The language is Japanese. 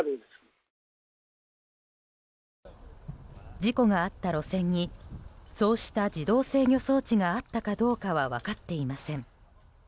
事故があった路線にそうした自動制御装置があったかどうかは分かっていません。